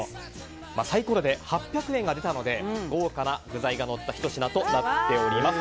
サイコロで８００円が出たので豪華な具材がのったひと品となっています。